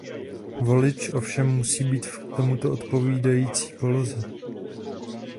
Volič ovšem musí být v k tomu odpovídající poloze.